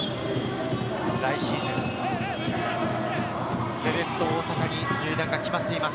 来シーズン、セレッソ大阪に入団が決まっています。